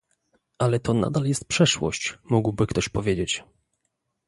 "Ale to nadal jest przeszłość" - mógłby ktoś powiedzieć